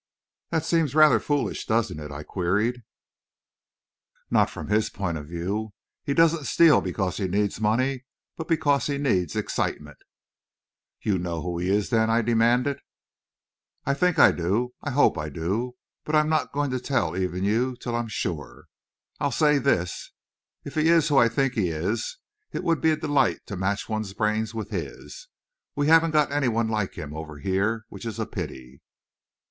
"That seems rather foolish, doesn't it?" I queried. "Not from his point of view. He doesn't steal because he needs money, but because he needs excitement." "You know who he is, then?" I demanded. "I think I do I hope I do; but I am not going to tell even you till I'm sure. I'll say this if he is who I think he is, it would be a delight to match one's brains with his. We haven't got any one like him over here which is a pity!"